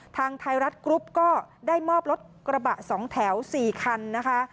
ทางไทยรัฐกรุ๊ปก็ได้มอบรถกระบะ๒แถว๔คันนะคะ